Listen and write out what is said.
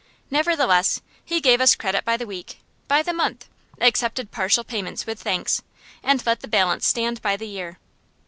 Nevertheless he gave us credit by the week, by the month, accepted partial payment with thanks, and let the balance stand by the year.